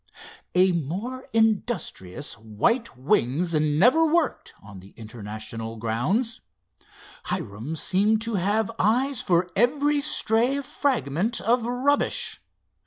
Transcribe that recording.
A more industrious "white wings" never worked on the International grounds. Hiram seemed to have eyes for every stray fragment of rubbish.